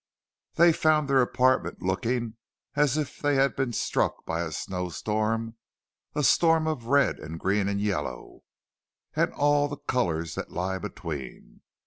They found their apartments looking as if they had been struck by a snowstorm—a storm of red and green and yellow, and all the colours that lie between.